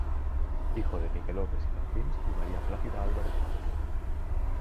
Hijo de Miguel Obes y Campins y María Plácida Álvarez Márquez.